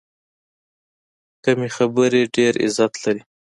کمې خبرې، ډېر عزت لري.